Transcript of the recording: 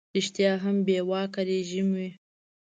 ریشتیا هم بې واکه رژیم وي.